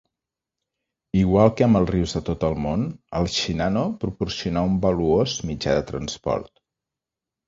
Igual que amb els rius de tot el món, el Shinano proporcionà un valuós mitjà de transport.